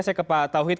saya ke pak tauhid